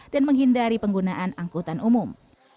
dan menghindari penggunaan angkutan umum